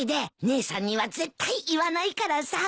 姉さんには絶対言わないからさ。